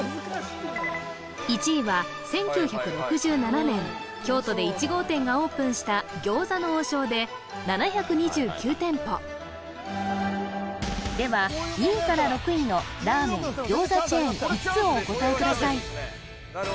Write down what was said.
１位は１９６７年京都で１号店がオープンした餃子の王将で７２９店舗では２位から６位のラーメン餃子チェーン５つをお答えください